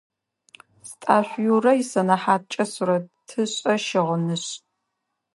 Стӏашъу Юрэ исэнэхьаткӏэ сурэтышӏэ-щыгъынышӏ.